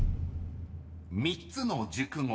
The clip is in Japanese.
［３つの熟語］